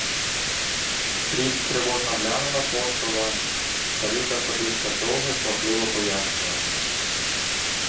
Пріск тривожно глянув на консула, й старий заходився довго й квапливо пояснювати: